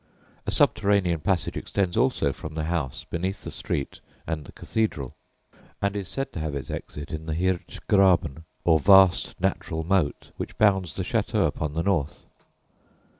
A subterranean passage extends also from the house beneath the street and the cathedral, and is said to have its exit in the Hirch Graben, or vast natural moat which bounds the château upon the north.